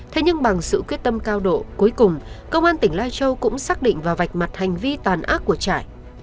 thế nhưng bằng sự quyết tâm cao độ cuối cùng công an tỉnh lai châu cũng xác định vào vạch mặt hành vi tàn ác của trải